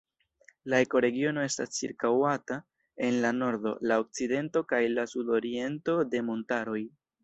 La ekoregiono estas ĉirkaŭata en la nordo, la okcidento kaj la sudoriento de montaroj.